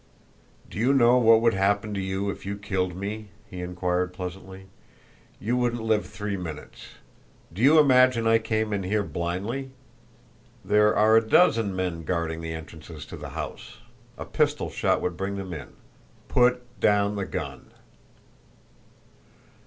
"Do you know what would happen to you if you killed me?" he inquired pleasantly. "You wouldn't live three minutes. Do you imagine I came in here blindly? There are a dozen men guarding the entrances to the house a pistol shot would bring them in. Put down the gun!"